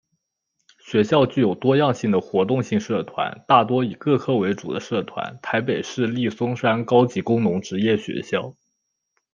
学校具有多样性的活动性社团大多以各科为主的社团台北市立松山高级工农职业学校